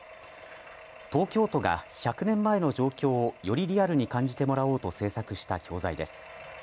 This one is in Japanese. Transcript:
東京都が１００年前の状況をよりリアルに感じてもらおうと制作した教材です。